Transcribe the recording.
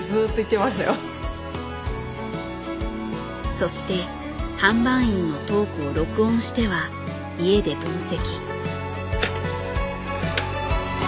そして販売員のトークを録音しては家で分析。